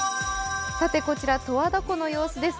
こちら、十和田湖の様子です。